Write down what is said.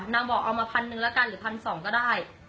นางบอกเอามา๑๐๐๐บาทหนึ่งแล้วกันหรือ๑๒๐๐บาทก็ได้